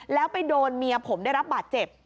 แล้วไปโดนเมียผมได้รับบาดเจ็บ